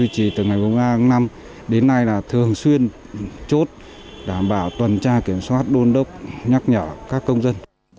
chỉ từ ngày ba tháng năm đến nay là thường xuyên chốt đảm bảo tuần tra kiểm soát đôn đốc nhắc nhở các công dân